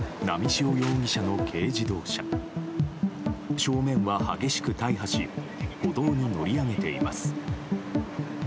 正面は激しく大破し歩道に乗り上げています。